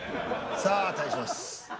さあ対します